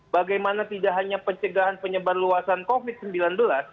bagaimana tidak hanya pencegahan penyebar luasan covid sembilan belas